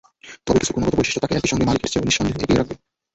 তবে কিছু গুণগত বৈশিষ্ট্য তাঁকে একই সঙ্গে মালিকির চেয়ে নিঃসন্দেহে এগিয়ে রাখবে।